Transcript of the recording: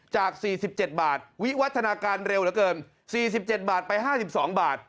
จาก๔๗บาทวิวัฒนาการเร็วเหลือเกิน๔๗บาทไป๕๒บาท